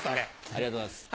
ありがとうございます。